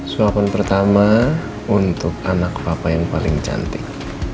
suapan pertama untuk anak papa yang paling cantik